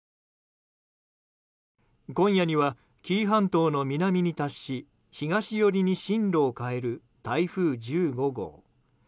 今夜には紀伊半島の南に達し東寄りに進路を変える台風１５号。